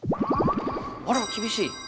あら厳しい！